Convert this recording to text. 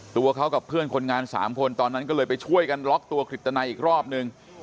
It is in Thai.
ตัวเขากับเพื่อนคนงาน๓คนตอนนั้นก็เลยไปช่วยกันล็อกตัวคริตนัยอีกรอบนึง